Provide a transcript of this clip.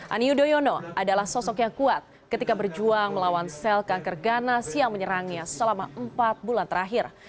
ani yudhoyono adalah sosok yang kuat ketika berjuang melawan sel kanker ganas yang menyerangnya selama empat bulan terakhir